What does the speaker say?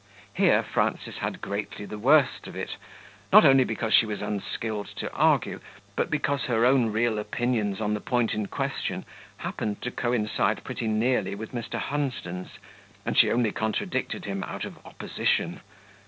Here Frances had greatly the worst of it, not only because she was unskilled to argue, but because her own real opinions on the point in question happened to coincide pretty nearly with Mr. Hunsden's, and she only contradicted him out of opposition.